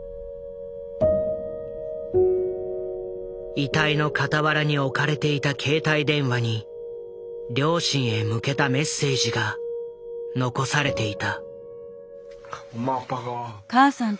遺体の傍らに置かれていた携帯電話に両親へ向けたメッセージが残されていた。